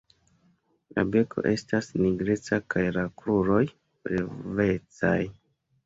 La beko estas nigreca kaj la kruroj flavecaj.